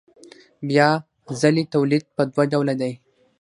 بیا ځلي تولید په دوه ډوله دی